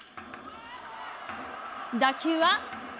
打球は？